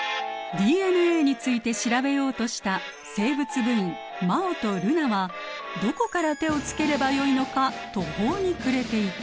ＤＮＡについて調べようとした生物部員真旺と瑠菜はどこから手をつければよいのか途方に暮れていた。